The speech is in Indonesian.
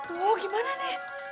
oh gimana nek